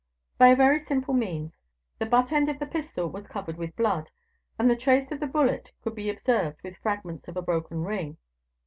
"By a very simple means; the butt end of the pistol was covered with blood, and the trace of the bullet could be observed, with fragments of a broken ring.